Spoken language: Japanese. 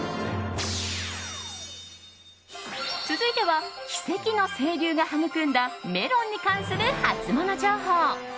続いては、奇跡の清流が育んだメロンに関するハツモノ情報。